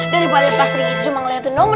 dari balet pak sergiti cuma ngeliat nomen